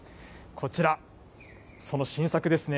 こちら、その新作ですね。